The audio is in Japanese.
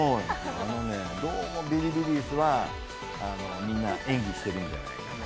あのね、どうもビリビリ椅子はみんな演技してるんじゃないかと。